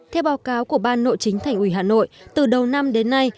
theo báo cáo của ban nội chính thành ủy hà nội từ đầu năm đến nay